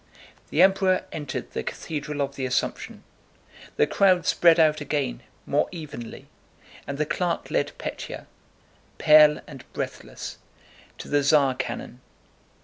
The Emperor entered the Cathedral of the Assumption. The crowd spread out again more evenly, and the clerk led Pétya—pale and breathless—to the Tsar cannon.